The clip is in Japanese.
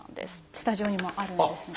スタジオにもあるんですね。